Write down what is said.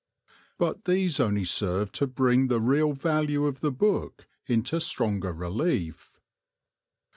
But these only serve to bring the real value of the book into stronger relief.